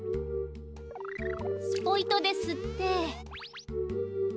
スポイトですって。